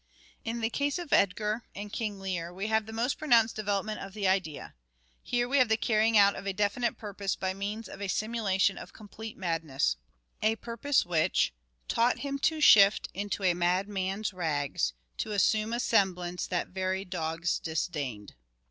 In the case of Edgar in " King Lear " we have the most pronounced development of the idea. Here we have the carrying out of a definite purpose by means of a simulation of complete madness ; a purpose which " taught him to shift Into a madman's rags, to assume a semblance That very dogs disdained."